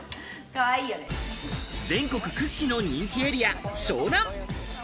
全国屈指の人気エリア・湘南。